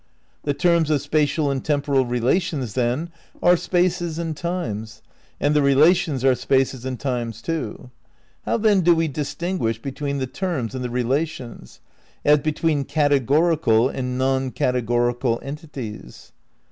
The terms of spatial and temporal relations, then, are spaces and times; and the relations are spaces and times, too. How then do we distinguish between the terms and the relations If As between categorial and non categorial entities?